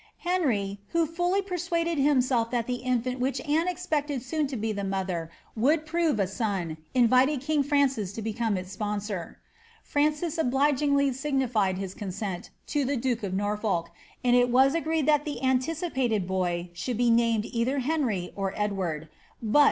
Henry, who fully persuaded him self that the infant of which Anne expected soon to be the mother would prove a son, invited king Francis to become its sponsor. Francis oblig ingly signified his consent to the duke of Norfolk, and it was agreed that the anticipated boy should be named either Henry or Edward ;' biit| ^Bumeu AN5B BOLBTH.